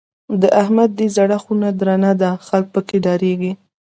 د احمد دی زړه خونه درنه ده؛ خلګ په کې ډارېږي.